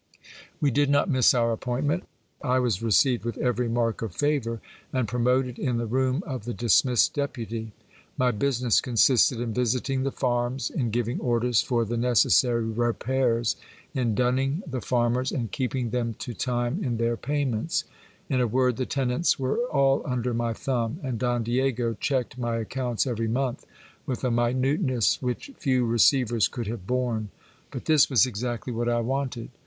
We did not miss our appointment I was received with every mark of favour, and promoted in the room of the dismissed deputy. My business consisted in visiting the farms, in giving orders for the necessary repairs, in dunning the farmers, and keeping them to time in their payments ; in a word, the tenants were all under my thumb, and Don Diego checked my accounts every month with a minuteness which few receivers could have borne. But this was exactly what I wanted.